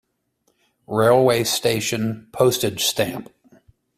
Railway station Postage stamp.